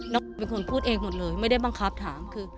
เป็นคนพูดเองหมดเลยไม่ได้บังคับถามคือ